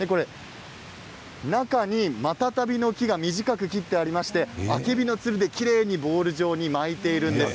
中にマタタビの木が短く切ってありましてあけびのつるできれいにボール状に巻いています。